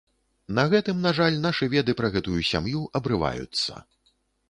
На гэтым, на жаль, нашы веды пра гэтую сям'ю абрываюцца.